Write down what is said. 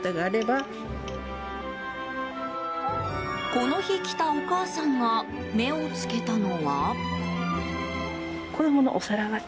この日来たお母さんが目を付けたのは。